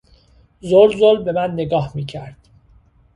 زل زل به من نگاه میکرد.